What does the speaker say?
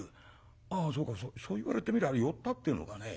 そうかそう言われてみりゃあれ寄ったっていうのかね。